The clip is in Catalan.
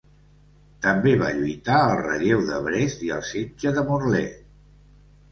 També va lluitar al relleu de Brest i al setge de Morlaix.